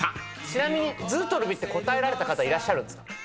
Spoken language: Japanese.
ちなみにずうとるびって答えた方いらっしゃるんですか？